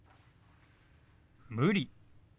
「無理」。